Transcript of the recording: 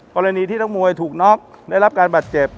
กรณีที่นักมวยถูกน็อกได้รับการบาดเจ็บ